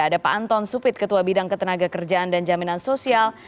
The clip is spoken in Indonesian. ada pak anton supit ketua bidang ketenaga kerjaan dan jaminan sosial